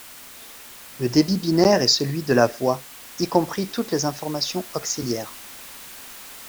Le débit binaire est celui de la voie, y compris toutes les informations auxiliaires.